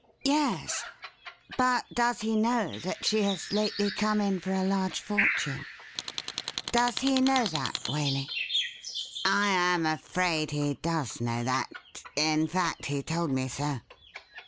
' Yes. But does he know that she has lately come in for a large fortune — does he know that, Waley ?'' I am afraid he does know that — ^in fact, he told me so.'